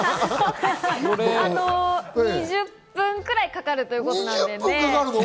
２０分ぐらいかかるということです。